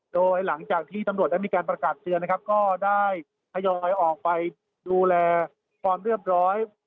โดยหลังจากที่ตำรวจได้มีการประกาศเตือนนะครับก็ได้ทยอยออกไปดูแลความเรียบร้อย